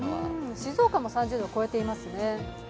静岡も３０度を超えていますね。